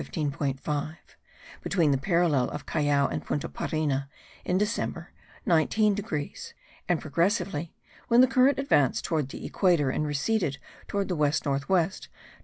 5; between the parallel of Callao and Punta Parina, in December, 19 degrees; and progressively, when the current advanced towards the equator and receded towards the west north west, 20.